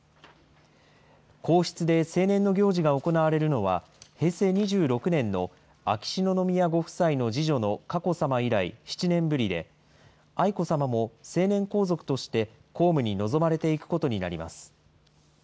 皇室で成年の行事が行われるのは、平成２６年の秋篠宮ご夫妻の次女の佳子さま以来、７年ぶりで、愛子さまも成年皇族として、公務に臨まれていくことになります。